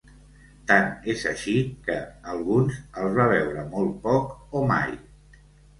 Tant és així que, alguns, els va veure molt poc o mai.